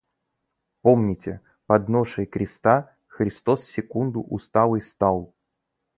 Помните: под ношей креста Христос секунду усталый стал.